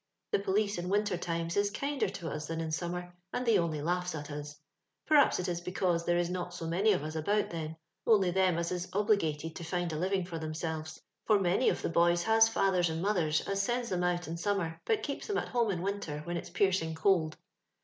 The police in winter times is kinder to us than in summer, and they only laughs at us ;— p'rhaps it is because there is not so many of us about then, — only them as is obligated to find a living for themselves ; for many of the bovs has fkthers and mothers as sends them out m summer, but keeps them at h<mie in winter when it's piercing cold.